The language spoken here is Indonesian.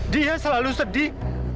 dia selalu sedih